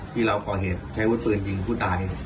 ที่เราขอเหตุใช้วุดปืนยิงผู้ตาย